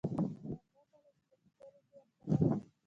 هغه دوه کاله چې زه په کلي کښې ورسره وم.